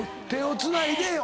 手をつないで。